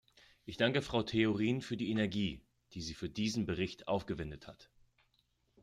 Ich danke Frau Theorin für die Energie, die sie für diesen Bericht aufgewendet hat.